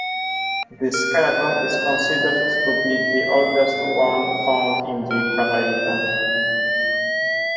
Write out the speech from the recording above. This skeleton is considered to be the oldest one found in the Caribbean.